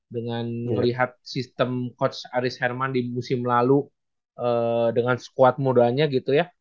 dengan melihat sistem coach aris herman di musim lalu dengan squad modalnya gitu ya